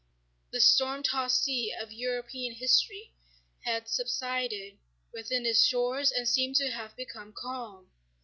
The storm tossed sea of European history had subsided within its shores and seemed to have become calm.